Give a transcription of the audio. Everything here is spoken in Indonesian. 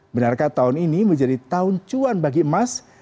benarkah tahun ini menjadi tahun cuan bagi emas